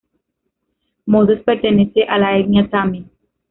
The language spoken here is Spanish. Moses pertenece a la etnia tamil.